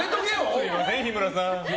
すみません、日村さん。